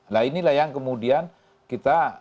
nah inilah yang kemudian kita